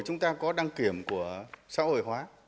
chúng ta có đăng kiểm của xã hội hóa